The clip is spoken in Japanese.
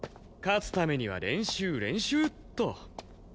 勝つためには練習練習っと。